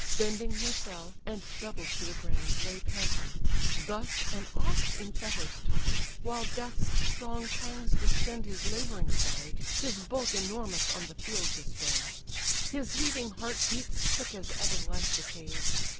Bending he fell, and doubled to the ground, Lay panting. Thus an ox in fetters tied, While death's strong pangs distend his labouring side, His bulk enormous on the field displays; His heaving heart beats thick as ebbing life decays.